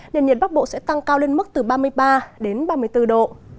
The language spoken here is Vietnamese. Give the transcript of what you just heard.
nên nhiệt bắc bộ sẽ tăng cao lên mức từ ba mươi ba ba mươi bốn độ